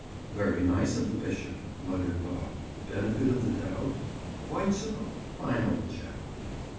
"Very nice of the bishop!" muttered Bob. "Benefit of the doubt? Quite so! Fine old chap!"